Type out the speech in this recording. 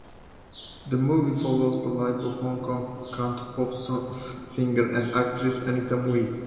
The movie follows the life of Hong Kong Cantopop singer and actress Anita Mui.